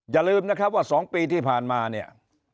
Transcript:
อย่าลืมนะครับว่า๒ปีที่ผ่านมาเนี่ย